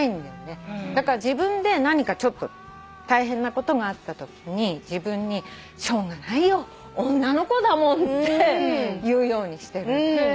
だから自分で何かちょっと大変なことがあったときに自分にしょうがないよ女の子だもんって言うようにしてる。